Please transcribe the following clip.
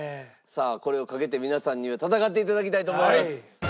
さあこれをかけて皆さんには戦って頂きたいと思います。